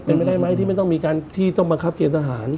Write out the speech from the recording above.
เป็นไปได้ไหมที่ไม่ต้องมีการที่ต้องบังคับเกณฑหาร